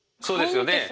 そうですよね。